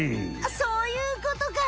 そういうことか！